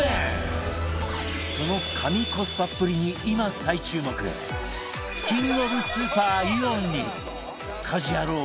その神コスパっぷりに今、再注目キングオブスーパー、イオンに『家事ヤロウ！！！』